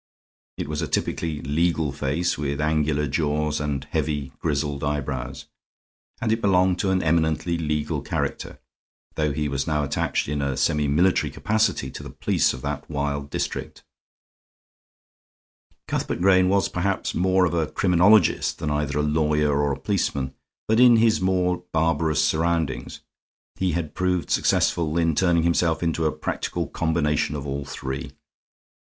It was a typically legal face, with angular jaws and heavy, grizzled eyebrows; and it belonged to an eminently legal character, though he was now attached in a semimilitary capacity to the police of that wild district. Cuthbert Grayne was perhaps more of a criminologist than either a lawyer or a policeman, but in his more barbarous surroundings he had proved successful in turning himself into a practical combination of all three.